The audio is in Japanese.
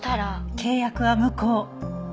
契約は無効。